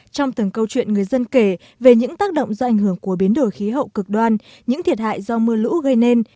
trong từng câu chuyện người dân kể về những tác động do ảnh hưởng của biến đổi khí hậu cực đoan những thiệt hại do mưa lũ gây nên